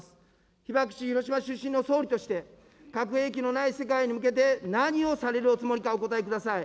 被爆地、広島出身の総理として、核兵器のない世界に向けて何をされるおつもりかお答えください。